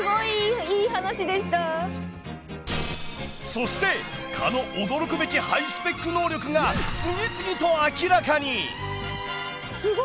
そして蚊の驚くべきハイスペック能力が次々と明らかに！